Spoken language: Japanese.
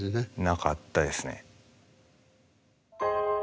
なかったですね。